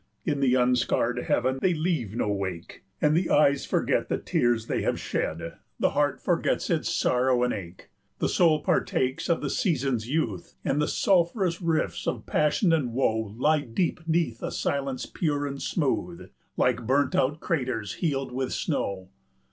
In the unscarred heaven they leave no wake, And the eyes forget the tears they have shed, The heart forgets its sorrow and ache; The soul partakes of the season's youth, 90 And the sulphurous rifts of passion and woe Lie deep 'neath a silence pure and smooth, Like burnt out craters healed with snow.